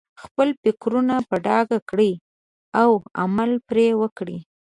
خپل فکرونه په ډاګه کړئ او عمل پرې وکړئ.